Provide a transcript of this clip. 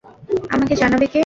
আমাকে জানাবে কে?